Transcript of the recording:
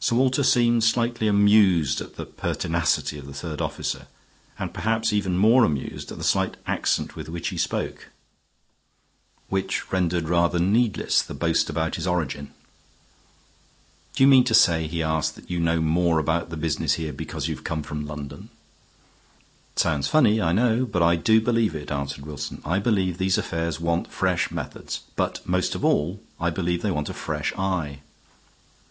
Sir Walter seemed slightly amused at the pertinacity of the third officer, and perhaps even more amused at the slight accent with which he spoke, which rendered rather needless his boast about his origin. "Do you mean to say," he asked, "that you know more about the business here because you have come from London?" "Sounds funny, I know, but I do believe it," answered Wilson. "I believe these affairs want fresh methods. But most of all I believe they want a fresh eye."